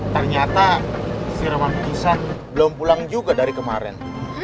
ternyata si roman kisan belum pulang juga dari kemaren